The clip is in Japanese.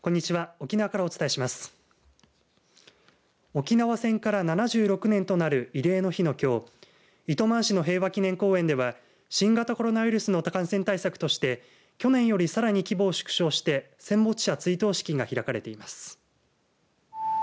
沖縄戦から７６年となる慰霊の日のきょう糸満市の平和祈念公園では新型コロナウイルスの感染対策として去年よりさらに規模を縮小して戦没者追悼式が開かれています。